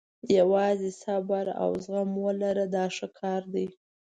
یوازې صبر او زغم ولره دا ښه کار دی.